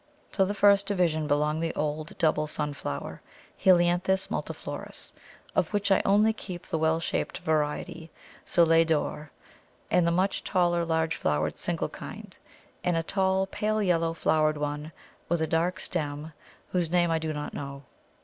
To the first division belong the old double Sunflower (Helianthus multiflorus), of which I only keep the well shaped variety Soleil d'Or, and the much taller large flowered single kind, and a tall pale yellow flowered one with a dark stem, whose name I do not know.